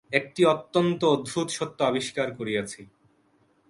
একটি অত্যন্ত অদ্ভুত সত্য আবিষ্কার করিয়াছি।